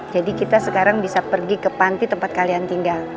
jadi kita sekarang bisa pergi ke panti tempat kalian tinggal